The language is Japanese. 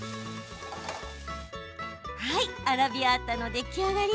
はい、アラビアータの出来上がり。